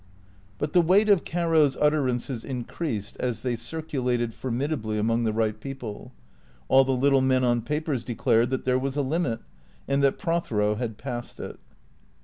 But the weight of Caro's utterances increased, as they circu lated, formidably, among the right people. All the little men on papers declared that there was a limit, and that Prothero had passed it.